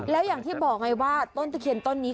แล้วอย่างที่บอกไงว่าต้นตะเคียนต้นนี้